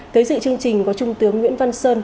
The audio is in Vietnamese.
tới dự chương trình có trung tướng nguyễn văn sơn